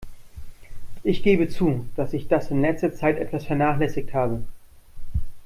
Ich gebe zu, dass ich das in letzter Zeit etwas vernachlässigt habe.